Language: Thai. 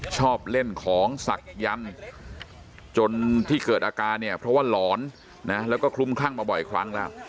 ชอบเล่นของศักยันต์จนที่เกิดอาการเนี่ยเพราะว่าหลอนนะแล้วก็คลุ้มคลั่งมาบ่อยครั้งแล้ว